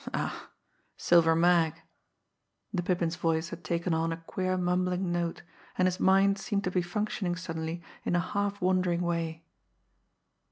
Ha, ha! Silver Mag!" The Pippin's voice had taken on a queer mumbling note, and his mind seemed to be functioning suddenly in a half wandering way.